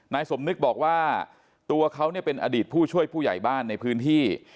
สมนึกบอกว่าตัวเขาเป็นอดีตผู้ช่วยผู้ใหญ่บ้านในพื้นที่